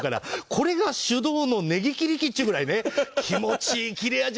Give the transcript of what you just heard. これが手動のネギ切り機というぐらい気持ちいい切れ味